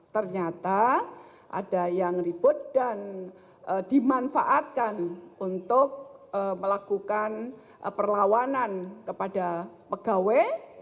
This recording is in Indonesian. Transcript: ternyata ada yang ribut dan dimanfaatkan untuk melakukan perlawanan kepada pegawai